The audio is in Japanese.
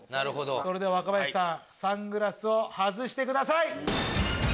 それでは若林さんサングラスを外してください。